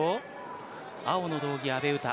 青の道着、阿部詩